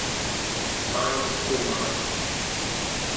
Mine's all mine.